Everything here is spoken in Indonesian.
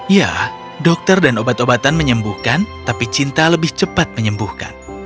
ya dokter dan obat obatan menyembuhkan tapi cinta lebih cepat menyembuhkan